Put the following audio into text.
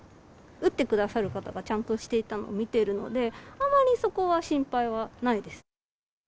打ってくださる方がちゃんとしていたのを見ているので、あんまりそこは心配はないです。